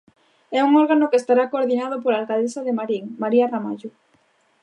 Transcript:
É un órgano que estará coordinado pola alcaldesa de Marín, María Ramallo.